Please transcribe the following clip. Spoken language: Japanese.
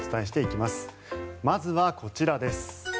まずはこちらです。